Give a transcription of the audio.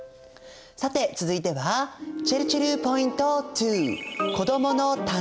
さて続いてはちぇるちぇるポイント２